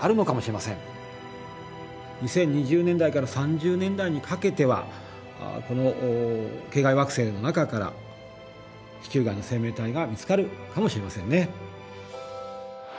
２０２０年代から３０年代にかけてはこの系外惑星の中から地球外の生命体が見つかるかもしれませんね。